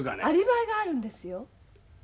アリバイがあるんですよ。